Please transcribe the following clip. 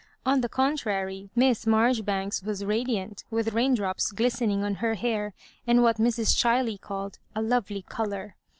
On the contrary, Miss Marjoribanks was radiant, with rain drops glistening on her hair, and what Mrs. Chiley called " a lovely colour."